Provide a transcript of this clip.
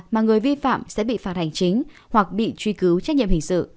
mà người vi phạm sẽ bị phạt hành chính hoặc bị truy cứu trách nhiệm hình sự